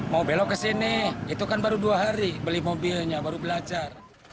mau belok ke sini itu kan baru dua hari beli mobilnya baru belajar